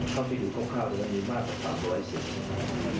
เขาที่อยู่ข้างข้างก็จะมีมากกว่า๓๐๐เสียง